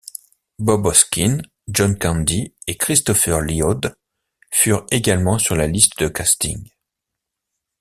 Bob Hoskins, John Candy et Christopher Llyod furent également sur la liste de casting.